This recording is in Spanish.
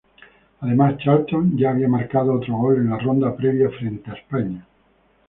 Además, Charlton ya había marcado otro gol en la ronda previa frente a España.